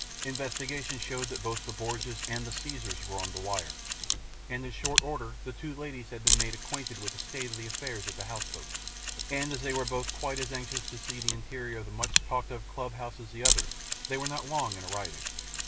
Investigation showed that both the Borgias and the Caesars were on the wire, and in short order the two ladies had been made acquainted with the state of affairs at the house boat; and as they were both quite as anxious to see the interior of the much talked of club house as the others, they were not long in arriving.